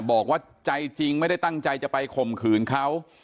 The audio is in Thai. บอกว่าใจจริงไม่ได้ตั้งใจจะไปข่มขืนเขา